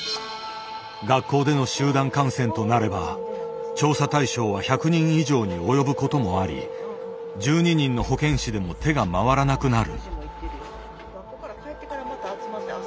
学校での集団感染となれば調査対象は１００人以上に及ぶこともあり１２人の保健師でも手が回らなくなる。